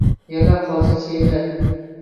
Yig’lab qolsa she’riyat.